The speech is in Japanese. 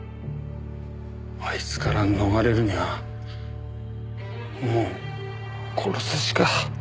あいつから逃れるにはもう殺すしか。